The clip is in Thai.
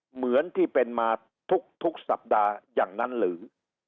เหมือนที่เป็นมาทุกสัปดาห์อย่างนั้นหรือ